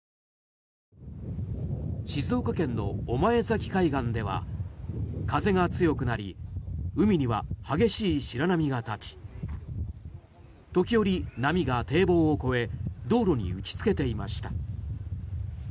静岡県の御前崎海岸では風が強くなり海には激しい白波が立ち時折、波が堤防を越え道路に打ちつけていました。